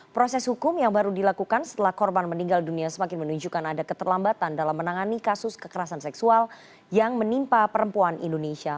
proses hukum yang baru dilakukan setelah korban meninggal dunia semakin menunjukkan ada keterlambatan dalam menangani kasus kekerasan seksual yang menimpa perempuan indonesia